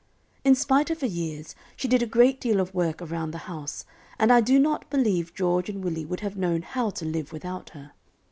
In spite of her years, she did a great deal of work around the house, and I do not believe George and Willie would have known how to live without her.